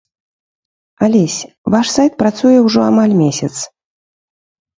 Алесь, ваш сайт працуе ўжо амаль месяц.